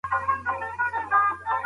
مرګ هم اسانه وي.